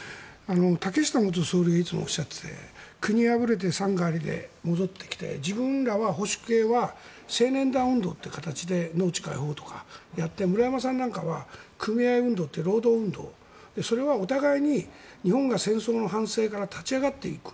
竹下元総理がいつもおっしゃっていて国破れて山河在りで戻ってきて自分らは青年団運動で農地解放とかやって村山さんなんかは組合運動って労働運動、それはお互いに日本が戦争の反省から立ち上がっていく。